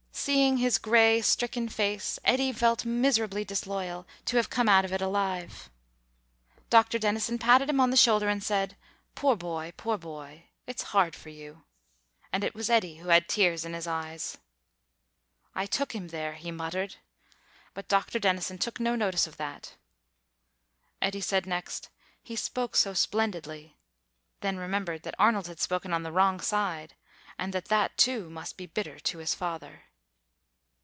Seeing his grey, stricken face, Eddy felt miserably disloyal, to have come out of it alive. Dr. Denison patted him on the shoulder and said, "Poor boy, poor boy. It is hard for you," and it was Eddy who had tears in his eyes. "I took him there," he muttered; but Dr. Denison took no notice of that. Eddy said next, "He spoke so splendidly," then remembered that Arnold had spoken on the wrong side, and that that, too, must be bitter to his father.